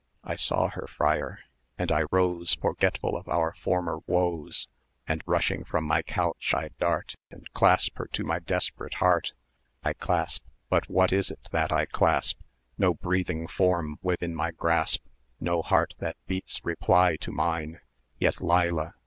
I saw her friar! and I rose Forgetful of our former woes; And rushing from my couch, I dart, And clasp her to my desperate heart; I clasp what is it that I clasp? No breathing form within my grasp, No heart that beats reply to mine Yet, Leila!